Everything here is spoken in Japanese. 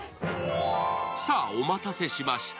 さあ、お待たせしました。